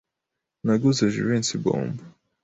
Naguze Jivency bombo.